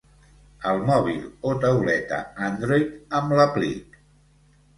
Al mòbil o tauleta Android amb l'aplic.